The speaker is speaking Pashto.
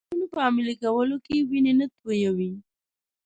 د فرمانونو په عملي کولو کې وینې نه تویوي.